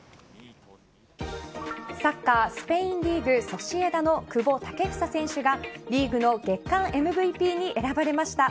サッカースペインリーグ・ソシエダの久保建英選手がリーグの月間ＭＶＰに選ばれました。